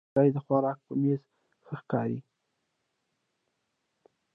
خټکی د خوراک په میز ښه ښکاري.